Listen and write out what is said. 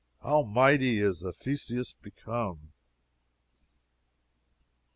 How mighty is Ephesus become!